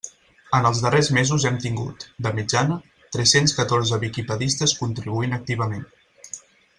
En els darrers mesos hem tingut, de mitjana, tres-cents catorze viquipedistes contribuint activament.